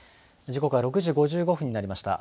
時刻は６時５５分になりました。